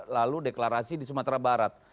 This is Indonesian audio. lalu deklarasi di sumatera barat